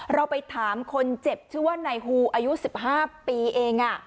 เราไปถามคนเจ็บชื่อว่านายฮูอายุ๑๕ปีเอง